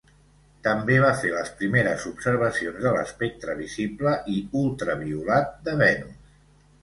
També va fer les primeres observacions de l'espectre visible i ultraviolat de Venus.